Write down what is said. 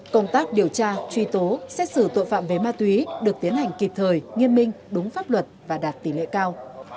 công tác điều tra truy tố xét xử tội phạm về ma túy được tiến hành kịp thời nghiêm minh đúng pháp luật và đạt tỷ lệ cao